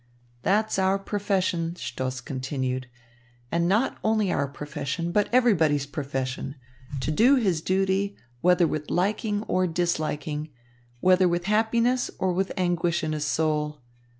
"That's our profession," Stoss continued, "and not only our profession, but everybody's profession to do his duty, whether with liking or disliking, whether with happiness or with anguish in his soul.